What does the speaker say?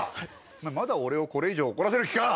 お前まだ俺をこれ以上怒らせる気か⁉